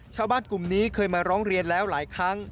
ชาวบ้านกลุ่มนี้เคยมาร้องเรียนแล้วหลายครั้ง